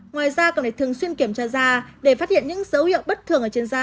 ngoài ra còn phải thường xuyên kiểm tra da để phát hiện những dấu hiệu bất thường ở trên da